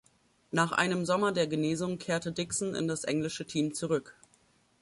Nach einem Sommer der Genesung kehrte Dixon in das englische Team zurück.